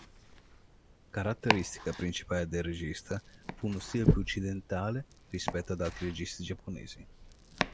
Caratteristica principale del regista fu uno stile più occidentale rispetto ad altri registi giapponesi.